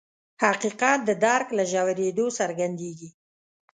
حقیقت د درک له ژورېدو څرګندېږي.